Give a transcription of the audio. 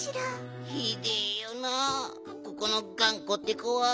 ひでえよなここのがんこってこは。